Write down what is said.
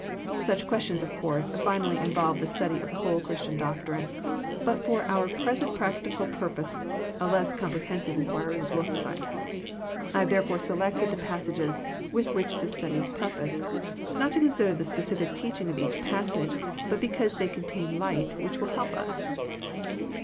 Such ques tions, of course, finally involve the study of the whole of Christian doctrine : but for our present practical purpose a less comprehensive inquiry will suffice. I have therefore selected the pas sages with which this study is prefaced, not to consider the specific teaching of each passage, but because they contain light which will help us.